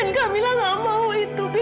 tapi kamila tidak mau itu pi